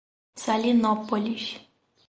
Salinópolis